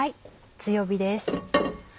強火です。